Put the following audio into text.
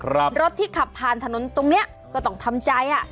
รถที่ขับผ่านถนนตรงเนี้ยก็ต้องทำใจอ่ะ